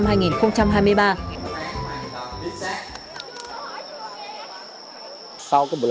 công an huyện củ chi đã thực hiện chương trình tuyên truyền luật giao thông đường bộ